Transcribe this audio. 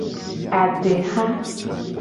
Adeha.